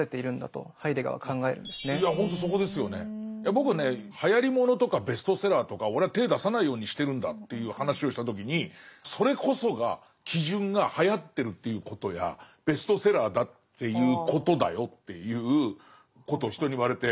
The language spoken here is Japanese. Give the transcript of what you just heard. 僕ね「はやり物とかベストセラーとか俺は手出さないようにしてるんだ」という話をした時に「それこそが基準がはやってるということやベストセラーだっていうことだよ」っていうことを人に言われて。